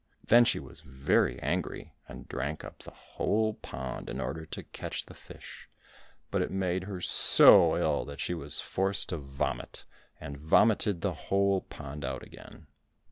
Then she was very angry, and drank up the whole pond in order to catch the fish, but it made her so ill that she was forced to vomit, and vomited the whole pond out again.